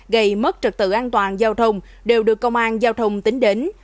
gây mất trật tự an toàn giao thông đều được công an giao thông tính đến